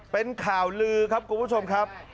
เป็นข่าวลือครับคุณผู้ชมครับ